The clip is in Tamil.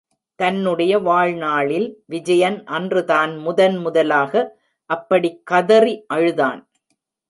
தன்னுடைய வாழ்நாளில் விஜயன் அன்று தான் முதன் முதலாக அப்படிக்கதறி அழுதான்.